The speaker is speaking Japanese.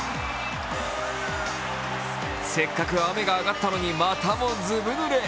せっかく雨があがったのにまたもずぶぬれ。